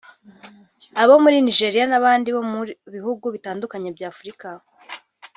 abo muri Nigeria n’abandi bo mu bihugu bitandukanye bya Afurika